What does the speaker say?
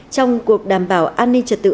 trong cuộc đảm bảo an ninh trật tự